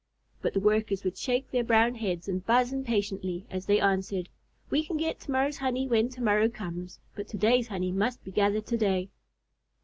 But the Workers would shake their brown heads and buzz impatiently as they answered, "We can get to morrow's honey when to morrow comes, but to day's honey must be gathered to day."